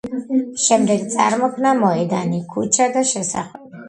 შემდეგ წარმოიქმნა მოედანი, ქუჩა და შესახვევი.